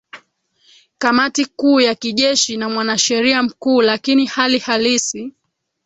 Kamati kuu ya kijeshi na mwanasheria mkuu lakini hali halisi